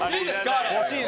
あれ。